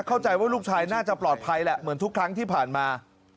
เข้าใจว่าลูกชายน่าจะปลอดภัยแหละเหมือนทุกครั้งที่ผ่านมา